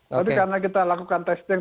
tapi karena kita lakukan testing